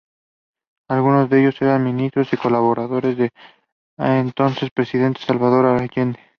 Algunos de ellos eran ministros y colaboradores del entonces Presidente Salvador Allende.